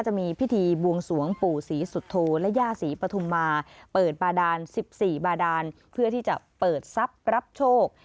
จะมีพิธีบวงสวงปู่ศรีสุโธและย่าศรีปฐุมมาเปิดบาดาน๑๔บาดานเพื่อที่จะเปิดทรัพย์รับโชค